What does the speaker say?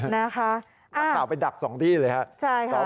นักข่าวไปดัก๒ที่เลยครับ